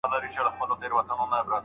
چي له غمه مي زړګی قلم قلم دی